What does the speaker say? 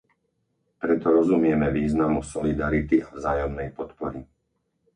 Preto rozumieme významu solidarity a vzájomnej podpory.